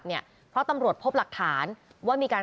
รวมถึงเมื่อวานี้ที่บิ๊กโจ๊กพาไปคุยกับแอมท์ท่านสถานหญิงกลาง